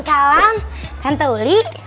waalaikumsalam tante uli